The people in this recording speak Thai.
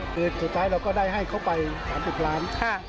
คือสุดท้ายเราก็ได้ให้เขาไป๓๐ล้าน